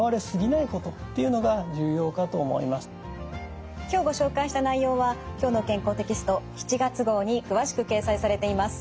このためには今日ご紹介した内容は「きょうの健康」テキスト７月号に詳しく掲載されています。